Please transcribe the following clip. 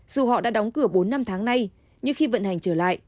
dù họ đã đóng cửa bốn năm tháng nay nhưng khi vận hành trở lại